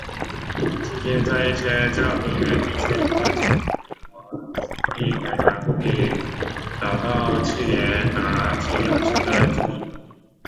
至今在一些较偏远地区和前英国殖民地仍然能够找到忌连拿警用枪的踪影。